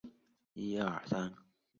梳棉棉条的直径并不是完全均匀的。